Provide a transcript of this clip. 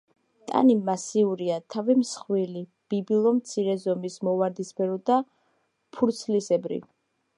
ტანი მასიურია, თავი მსხვილი, ბიბილო მცირე ზომის, მოვარდისფრო და ფურცლისებრი.